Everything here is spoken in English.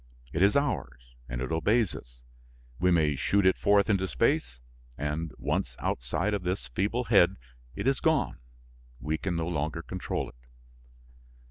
It is ours and it obeys us; we may shoot it forth into space, and, once outside of this feeble head, it is gone, we can no longer control it.